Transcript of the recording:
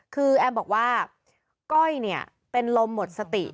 คือแอมบอกว่าก้อยเนี่ยเป็นลมหมดสติ